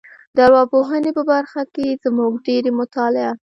د ارواپوهنې په برخه کې زموږ ډېری مطالعه